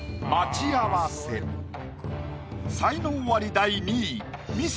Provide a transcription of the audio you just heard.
才能アリ第２位ミス